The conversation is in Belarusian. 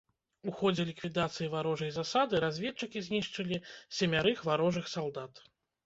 У ходзе ліквідацыі варожай засады разведчыкі знішчылі семярых варожых салдат.